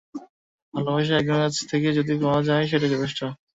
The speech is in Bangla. ভালবাসা একজনের কাছ থেকে যদি পাওয়া, সেটাই যথেষ্ট।